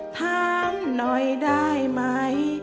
ถามหน่อยได้ไหม